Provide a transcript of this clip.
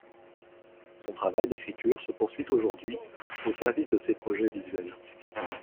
Son travail d'écriture se poursuit aujourd'hui, au service de ses projets visuels.